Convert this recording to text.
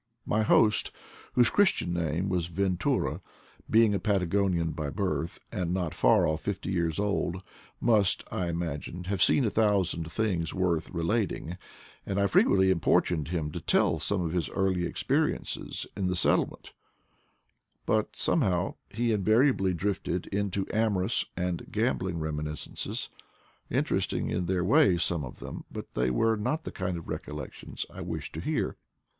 My host, whose Christian name was Ventura, being a Patagonian by birth, and not far off fifty years old, must, I imagined, have seen a thousand things worth relating, and I frequently impor tuned him to tell some of his early experiences in the settlement But somehow he invariably drifted into amorous and gambling reminiscences, inter esting in their way, some of them, but they were not the kind of recollections I wished to hear.